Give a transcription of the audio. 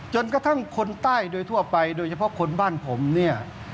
จนกระทั่งคนใต้โดยทั่วไปโดยเฉพาะคนบ้านผมเนี่ย